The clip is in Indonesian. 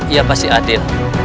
ia pasti adil